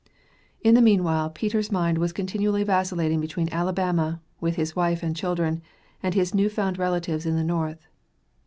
In the meanwhile, Peter's mind was continually vacillating between Alabama, with his wife and children, and his new found relatives in the North.